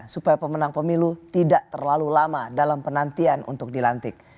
supaya pemenang pemilu tidak terlalu lama dalam penantian untuk dilantik